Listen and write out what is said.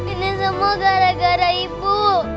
ini semua gara gara ibu